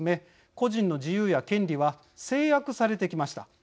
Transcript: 個人の自由や権利は制約されてきました。